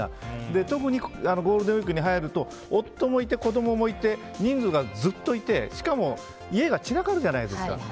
特にゴールデンウィークに入ると夫もいて子供もいて人数がずっといてしかも家が散らかるじゃないですか。